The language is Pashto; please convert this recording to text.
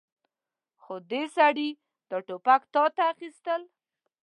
خو دې سړي دا ټوپک تاته اخيستل.